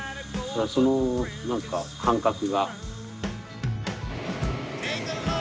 その何か感覚が。